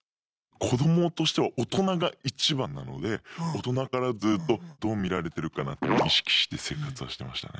子どもとしては大人が一番なので大人からずっとどう見られてるかなって意識して生活はしてましたね。